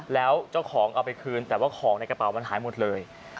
แล้วเจ้าของเอาไปคืนแต่ว่าของในกระเป๋ามันหายหมดเลย